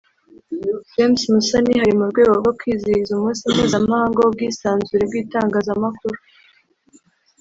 James Musoni hari mu rwego rwo kwizihiza umunsi mpuzamahanga w’ubwisanzure bw’itangazamakuru